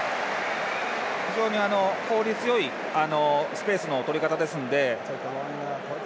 非常に効率よいスペースのとり方ですので。